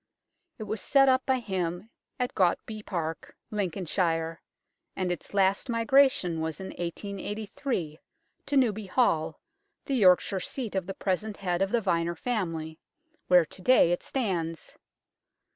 It was set up by him at Gautby Park, Lincolnshire, and its last migration was in 1883 to Newby Hall, the Yorkshire seat of the present head of the Vyner family, where to day it stands.